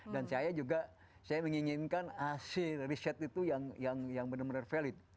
dan saya juga saya menginginkan asli riset itu yang benar benar valid